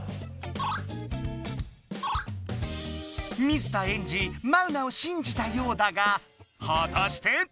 水田エンジマウナをしんじたようだがはたして？